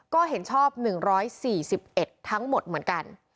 ก็เห็นชอบ๑๔๑ทั้งหมดเหมือนกัน